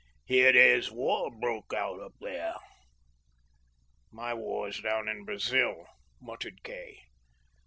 "Hear there's war broke out up there." "My war's down in Brazil," muttered Kay.